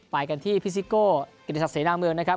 ไปกันที่พิซิโก้กิติศักดิเสนาเมืองนะครับ